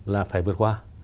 là phải vượt qua